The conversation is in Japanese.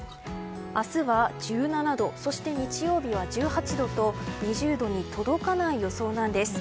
明日は１７度そして日曜日は１８度と２０度に届かない予想なんです。